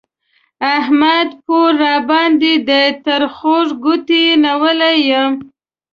احمد پور راباندې دی؛ تر خوږ ګوته يې نيولی يم